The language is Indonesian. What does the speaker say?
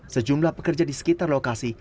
sejumlah pekerja di sekitar lokasi